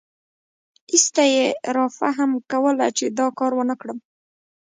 ایسته یې رافهم کوله چې دا کار ونکړم.